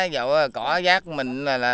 vào cỏ rác mình